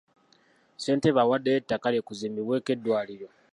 Ssentebe awaddeyo ettaka lye kuzimbibweko eddwaliro.